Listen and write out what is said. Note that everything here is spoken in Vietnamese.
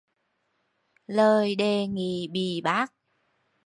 Lời đề nghị bị bác